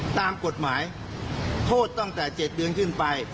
ตามกฎหมายโทษตั้งแต่๗เดือนขึ้นไป